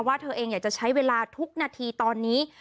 เธอเองอยากจะใช้เวลาทุกนาทีตอนนี้